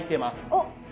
おっ。